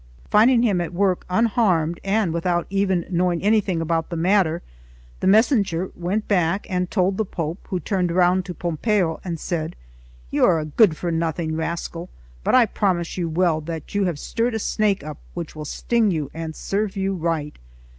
Finding him at work, unharmed, and without even knowing anything about the matter, the messenger went back and told the Pope, who turned round to Pompeo and said: "You are a good for nothing rascal; but I promise you well that you have stirred a snake up which will sting you, and serve you right!"